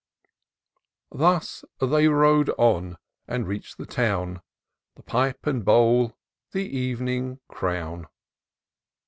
Thus they rode on and reach'd the town :— The pipe and bowl the ev'ning crown.